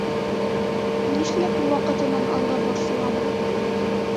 Нишләп ваҡытынан алда борсолабыҙ?